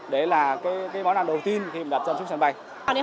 đấy là cái món ăn đầu tiên khi mình đặt trong chút sản bài